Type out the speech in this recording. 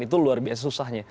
itu luar biasa susahnya